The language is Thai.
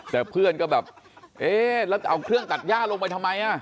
แต่เพื่อนก็แบบเอ๊ะแล้วเอาเครื่องตัดย่าลงไปทำไม